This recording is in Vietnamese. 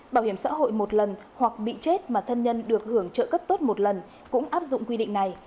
bảo hiểm xã hội một lần hoặc bị chết mà thân nhân được hưởng trợ cấp tốt một lần cũng áp dụng quy định này